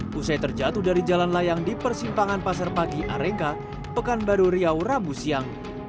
pusai terjatuh dari jalan layang di persimpangan pasar pagi arengga pekanbaru riau rabu siang